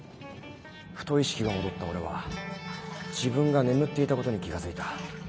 ふと意識が戻った俺は自分が眠っていたことに気が付いた。